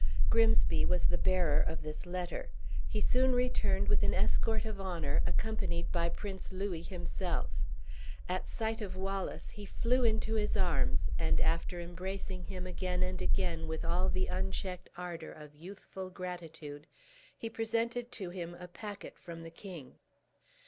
Grimsby was the bearer of this letter. He soon returned with an escort of honor, accompanied by Prince Louis himself. At sight of Wallace he flew into his arms, and after embracing him again and again with all the unchecked ardor of youthful gratitude, he presented to him a packet from the king.